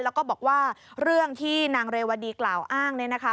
แล้วก็บอกว่าเรื่องที่นางเรวดีกล่าวอ้างเนี่ยนะคะ